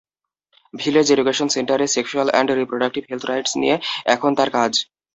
Village education সেন্টারে sexual and reproductive health rights নিয়ে এখন তার কাজ।